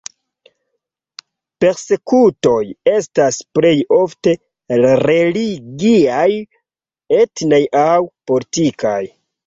Persekutoj estas plej ofte religiaj, etnaj aŭ politikaj.